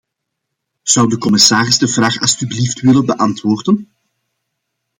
Zou de commissaris de vraag alstublieft willen beantwoorden?